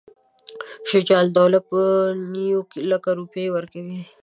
شجاع الدوله به نیوي لکه روپۍ ورکوي.